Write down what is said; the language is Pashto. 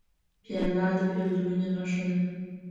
پیاله د پیرزوینې نښه ده.